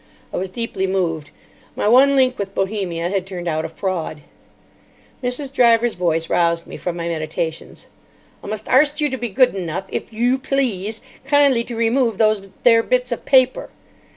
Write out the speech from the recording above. I was deeply moved. My one link with Bohemia had turned out a fraud. Mrs. Driver's voice roused me from my meditations. "I must arst you to be good enough, if you please, kindly to remove those there bits of paper."